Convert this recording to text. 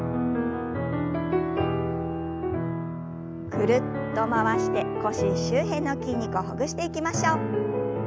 ぐるっと回して腰周辺の筋肉をほぐしていきましょう。